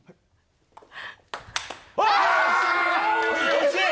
惜しい。